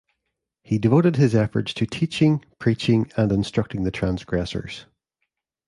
He devoted his efforts to teaching, preaching and instructing the transgressors.